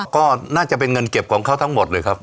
ก็น่าจะเป็นเงินเก็บของเขาทั้งหมดเลยครับ